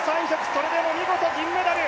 それでも見事、銀メダル。